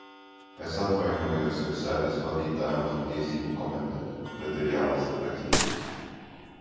Es atvainojos, jo sēdes vadītājam nav tiesību komentēt, bet ir jālasa precīzi.